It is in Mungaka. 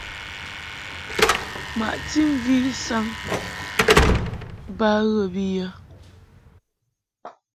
Maʼti mvi saŋ ba ghə bi yə.